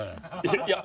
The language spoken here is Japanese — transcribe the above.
いや。